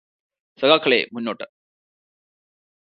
സഖാക്കളേ, മുന്നോട്ട്.